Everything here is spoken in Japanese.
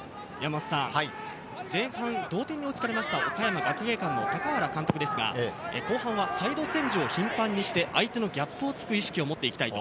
前半、同点に追いつかれました岡山学芸館の高原監督、後半はサイドチェンジを頻繁にして、相手の逆を突く意識を持っていきたい。